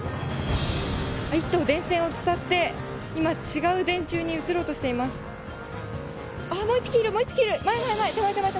１頭、電線を伝って今、違う電柱に移ろうとしています。